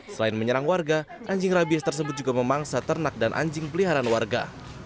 selain menyerang warga anjing rabies tersebut juga memangsa ternak dan anjing peliharaan warga